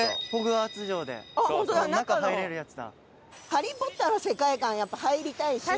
『ハリー・ポッター』の世界観やっぱ入りたいし。